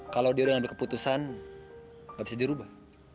kalau dia udah gak ada keputusan gak bisa dirubah